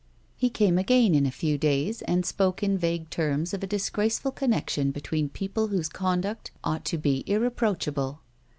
He came again in a few days, and spoke in vague terms of a disgraceful connection between people whose conduct ought to be ixTcproachable.